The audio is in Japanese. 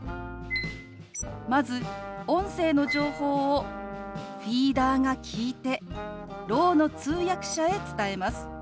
まず音声の情報をフィーダーが聞いてろうの通訳者へ伝えます。